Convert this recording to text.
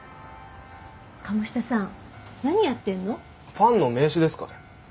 ファンの名刺ですかね？